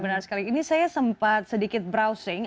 benar sekali ini saya sempat sedikit browsing